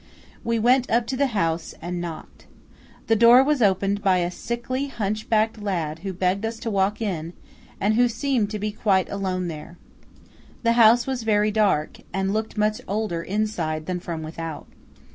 We went up to the house, and knocked. The door was opened by a sickly hunchbacked lad who begged us to walk in, and who seemed to be quite alone there. The house was very dark, and looked much older inside than from without.